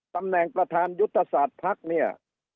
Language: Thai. ตำแหน่งประธานยุทธศาสตร์ภักดิ์เนี่ย